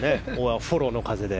フォローの風で。